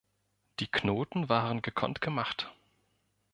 Die Knoten waren gekonnt gemacht.